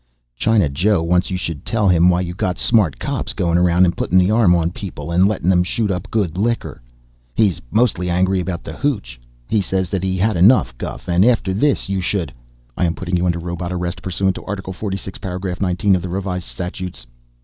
"China Joe wants you should tell him why you got smart cops going around and putting the arm on people and letting them shoot up good liquor. He's mostly angry about the hooch. He says that he had enough guff and after this you should " "I am putting you under Robot Arrest, pursuant to article 46, paragraph 19 of the revised statutes